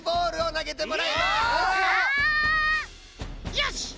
よし！